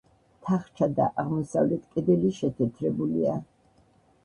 თახჩა და აღმოსავლეთ კედელი შეთეთრებულია.